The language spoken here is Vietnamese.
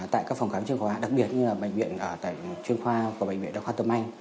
tại các phòng khám chuyên khoa đặc biệt như là bệnh viện chuyên khoa của bệnh viện đặc khoa thơm anh